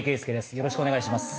よろしくお願いします。